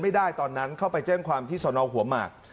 ไม่ได้ตอนนั้นเข้าไปเจ้งความที่สนองหัวหมาก